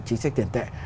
chính sách tiền tệ